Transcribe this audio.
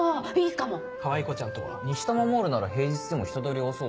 かわいこちゃんとは？にしたまモールなら平日でも人通り多そうですよね。